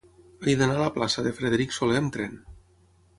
He d'anar a la plaça de Frederic Soler amb tren.